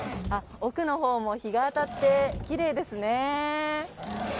奥のほうも日が当たってきれいですね。